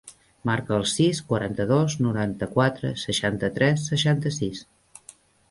Marca el sis, quaranta-dos, noranta-quatre, seixanta-tres, seixanta-sis.